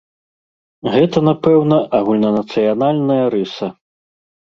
Гэта, напэўна, агульнанацыянальная рыса.